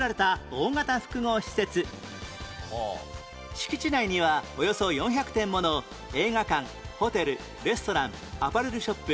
敷地内にはおよそ４００店もの映画館ホテルレストランアパレルショップ